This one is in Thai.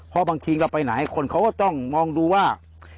พอบางทีเราไปไหนคนเขาก็ต้องมองดูว่า